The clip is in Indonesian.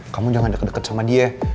kamu jangan deket deket sama dia